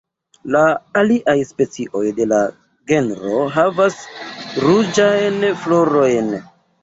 La aliaj specioj de la genro havas ruĝajn florojn.